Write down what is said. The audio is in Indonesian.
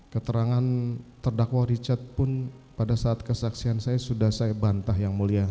keterangan terdakwa richard pun pada saat kesaksian saya sudah saya bantah yang mulia